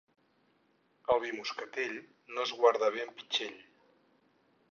El vi moscatell no es guarda bé amb pitxell.